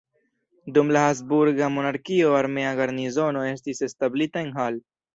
Dum la Habsburga monarkio armea garnizono estis establita en Hall.